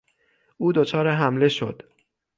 او دچار حمله شد.